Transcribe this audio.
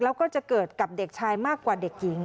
แล้วก็จะเกิดกับเด็กชายมากกว่าเด็กหญิง